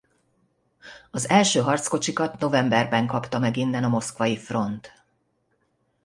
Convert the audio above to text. Az első harckocsikat novemberben kapta meg innen a Moszkvai Front.